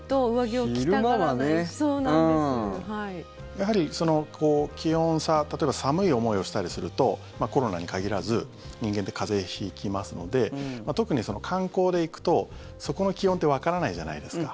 やはり気温差例えば寒い思いをしたりするとコロナに限らず人間って風邪を引きますので特に観光で行くとそこの気温ってわからないじゃないですか。